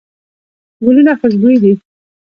ګلونه خوشبوي دي.